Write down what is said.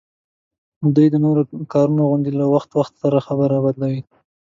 دوی د نورو کارونو غوندي له وخت وخت سره خبره بدلوي